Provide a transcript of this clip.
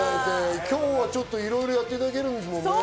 今日はいろいろやっていただけるんですもんね。